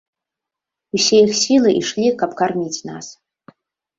Усе іх сілы ішлі, каб карміць нас.